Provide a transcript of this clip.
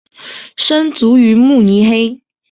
生卒于慕尼黑。